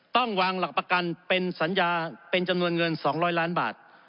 ต้องวางหลักประกันเป็นสัญญาเป็นจำนวนเงิน๒๐๐ล้านบาท